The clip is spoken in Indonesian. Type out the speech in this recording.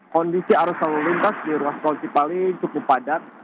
kondisi arus lalu lintas di ruas tol cipali cukup padat